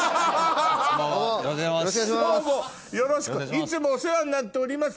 いつもお世話になっております